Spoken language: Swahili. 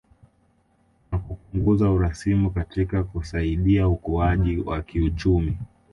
Na kupunguza urasimu katika kusaidia ukuaji wa kiuchumi